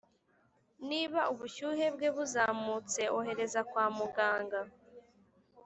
niba ubushyuhe bwe buzamutse, ohereza kwa muganga